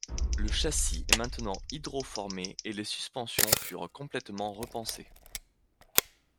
Le châssis est maintenant hydroformé et les suspensions furent complètement repensées.